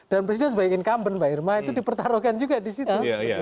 dan presiden sebagai incumbent mbak irma itu dipertaruhkan juga disitu